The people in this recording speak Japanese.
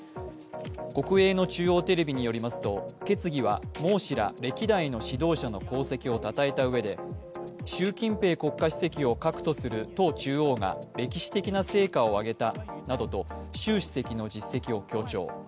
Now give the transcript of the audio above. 国営の中央テレビによりますと、決議は毛氏らを称えたうえで、習近平国家主席を核とする党中央が歴史的な成果を上げたなどと習主席の実績を強調。